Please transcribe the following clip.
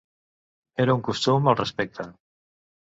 Era un costum al respecte.